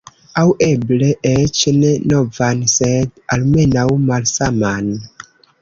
Aŭ eble eĉ ne novan sed almenaŭ malsaman.